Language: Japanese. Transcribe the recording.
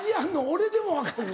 俺でも分かる。